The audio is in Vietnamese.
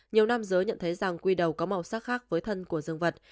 nhiều nam giới nhận thấy rằng quy đầu có màu sắc khác với thân của dương vật